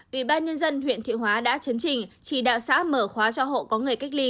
ủy ban nhân dân huyện thiệu hóa đã chấn trình chỉ đạo xã mở khóa cho hộ có người cách ly